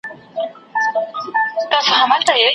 صفوي شاهانو په ایران کې اوږده واکمني وکړه.